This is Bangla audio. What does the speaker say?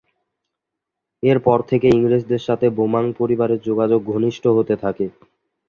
এর পর থেকে ইংরেজদের সাথে বোমাং পরিবারের যোগাযোগ ঘনিষ্ঠ হতে থাকে।